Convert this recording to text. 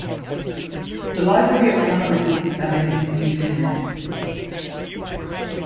The Library of Congress's spelling is used here.